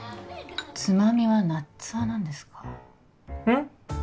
つまみはナッツ派なんですかうん？